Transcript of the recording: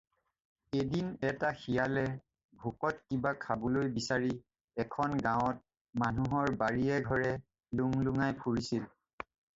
এদিন এটা শিয়ালে ভোকত কিবা খাবলৈ বিচাৰি এখন গাঁৱত মানুহৰ বাৰীয়ে ঘৰে লুংলুঙাই ফুৰিছিল।